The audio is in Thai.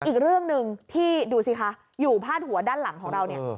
อีกเรื่องหนึ่งที่ดูสิคะอยู่พาดหัวด้านหลังของเราเนี่ย